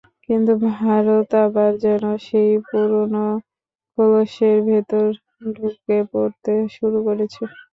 কিন্তু ভারত আবার যেন সেই পুরোনো খোলসের ভেতরে ঢুকে পড়তে শুরু করেছে।